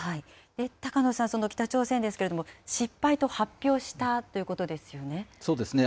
高野さん、その北朝鮮ですけれども、失敗と発表したというこそうですね。